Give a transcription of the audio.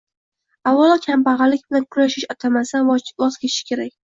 avvalo «kambag‘allik bilan kurashish» atamasidan voz kechish kerak.